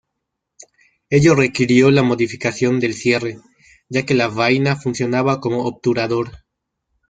Ello requirió la modificación del cierre, ya que la vaina funcionaba como obturador.